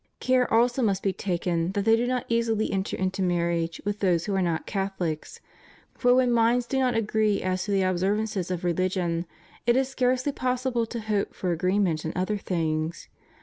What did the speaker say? Care also must be taken that they do not easily enter into marriage with those who are not Catholics ; for when minds do not agree as to the observances of rehgion, it is scarcely possible to hope for agreement in other things.